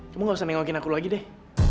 kamu gak usah nengokin aku lagi deh